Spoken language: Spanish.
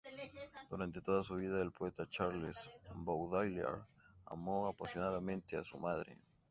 Durante toda su vida, el poeta Charles Baudelaire amó apasionadamente a su madre.